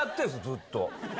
ずっと。